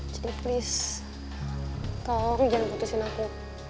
jadi please tolong jangan putusin aku